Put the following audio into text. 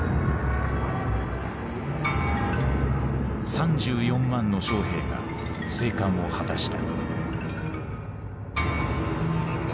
３４万の将兵が生還を果たした。